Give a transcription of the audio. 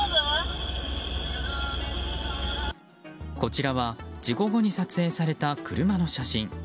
こちらは事故後に撮影された車の写真。